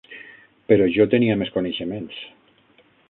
Però jo tenia més coneixements.